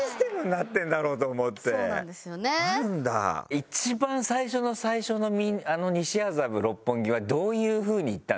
一番最初の最初の西麻布六本木はどういう風に行ったの？